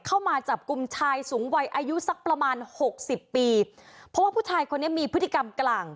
เข้ามาจับกลุ่มชายสูงวัยอายุสักประมาณหกสิบปีเพราะว่าผู้ชายคนนี้มีพฤติกรรมกลาง